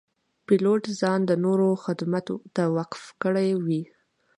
پیلوټ ځان د نورو خدمت ته وقف کړی وي.